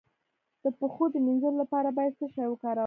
د پښو د مینځلو لپاره باید څه شی وکاروم؟